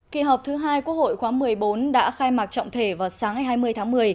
kỳ họp thứ hai quốc hội khóa một mươi bốn đã khai mạc trọng thể vào sáng ngày hai mươi tháng một mươi